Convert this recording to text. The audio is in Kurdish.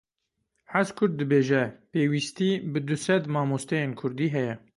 Hezkurd dibêje; Pêwîstî bi du sed mamosteyên kurdî heye.